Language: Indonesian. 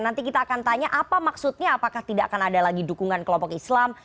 nanti kita akan tanya apa maksudnya apakah tidak akan ada lagi dukungan kelompok islam